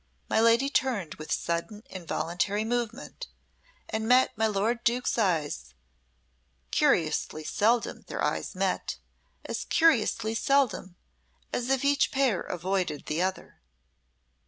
My lady turned with sudden involuntary movement and met my lord Duke's eyes (curiously seldom their eyes met, as curiously seldom as if each pair avoided the other).